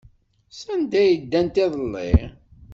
Sanda ay ddant iḍelli?